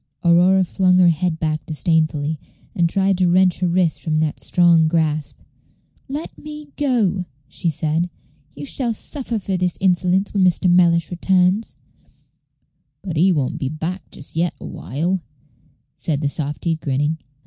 Aurora flung her head back disdainfully, and tried to wrench her wrist from that strong grasp. "Let me go," she said. "You shall suffer for this insolence when Mr. Mellish returns." "But he won't be back just yet a while," said the softy, grinning.